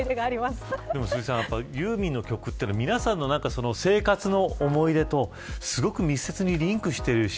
ユーミンの曲って皆さんの生活の思い出とすごく密接にリンクしている。